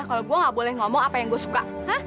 kalau gue gak boleh ngomong apa yang gue suka